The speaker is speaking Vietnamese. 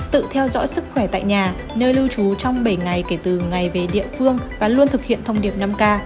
tự theo dõi sức khỏe tại nhà nơi lưu trú trong bảy ngày kể từ ngày về địa phương và luôn thực hiện thông điệp năm k